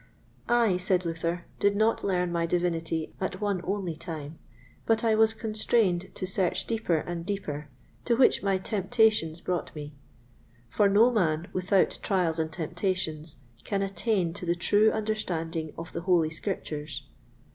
I, said Luther, did not learn my divinity at one only time, but I was constrained to search deeper and deeper, to which my temptations brought me; for no man, without trials and temptations, can attain to the true understanding of the Holy Scriptures.